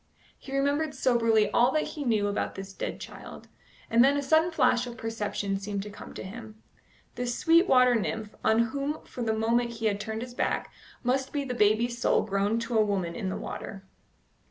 He remembered soberly all that he knew about this dead child, and then a sudden flash of perception seemed to come to him. This sweet water nymph, on whom for the moment he had turned his back, must be the baby's soul grown to a woman in the water.